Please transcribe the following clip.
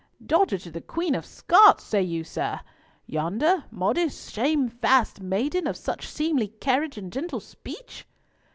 "Daughter to the Queen of Scots, say you, sir! Yonder modest, shamefast maiden, of such seemly carriage and gentle speech?"